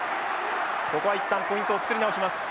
ここは一旦ポイントを作り直します。